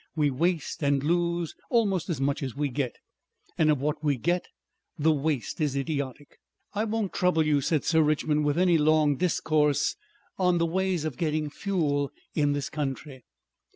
We waste and lose almost as much as we get. And of what we get, the waste is idiotic. "I won't trouble you," said Sir Richmond, "with any long discourse on the ways of getting fuel in this country.